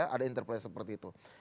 ada interplay seperti itu